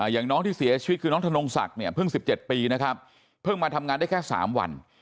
อย่างน้องที่เสียชีวิตคือน้องธนงศักดิ์เนี่ยเพิ่ง๑๗ปีนะครับเพิ่งมาทำงานได้แค่๓วัน